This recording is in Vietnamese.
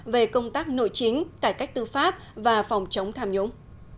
về công tác nội chính cải cách tư pháp và phòng chống tham nhũng